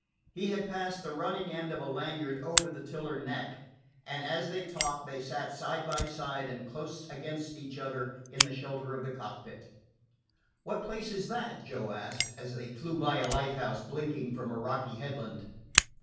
He had passed the running end of a lanyard over the tiller neck, and as they talked they sat side by side and close against each other in the shelter of the cockpit. "What place is that?" Joe asked, as they flew by a lighthouse blinking from a rocky headland.